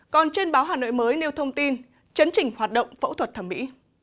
còn trên báo hà nội mới nêu thông tin chấn chỉnh hoạt động phẫu thuật thẩm mỹ